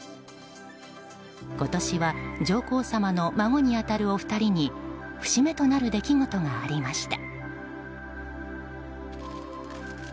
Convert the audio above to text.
今年は上皇さまの孫に当たるお二人に節目となる出来事がありました。